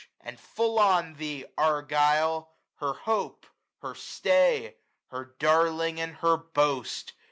And full on thee, Argyll, Her hope, her stay, her darling, and her boast.